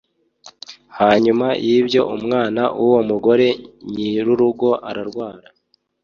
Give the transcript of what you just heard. Hanyuma yibyo umwana wuwo mugore nyirurugo ararwara